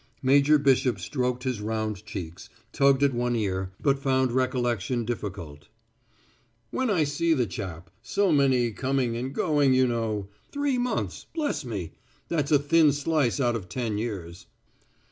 Major Bishop stroked his round cheeks, tugged at one ear, but found recollection difficult. "When I see the chap so many coming and going, you know. Three months bless me! That's a thin slice out of ten years."